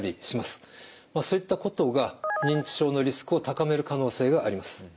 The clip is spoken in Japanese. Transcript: そういったことが認知症のリスクを高める可能性があります。